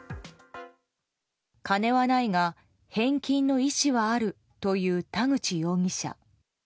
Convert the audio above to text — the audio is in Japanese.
金はないが返金の意思はあるという田口容疑者。